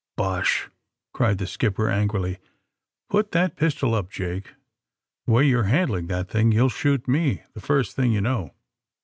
'*Bosh!" cried the skipper, angrily. Put that pistol up, Jake. The way you're handling that thing you'll shoot me, the first thing you know.